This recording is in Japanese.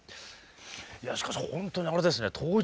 いやしかしほんとにあれですね。